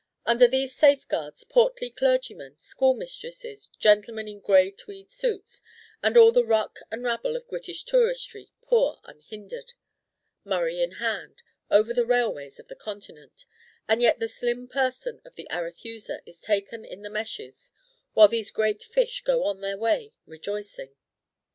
Under these safeguards, portly clergymen, school mistresses, gentlemen in grey tweed suits, and all the ruck and rabble of British touristry pour unhindered, Murray in hand, over the railways of the Continent, and yet the slim person of the Arethusa is taken in the meshes, while these great fish go on their way rejoicing.